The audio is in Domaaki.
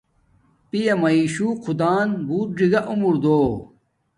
پیا میشو خدان بوت ڎگہ عمر دو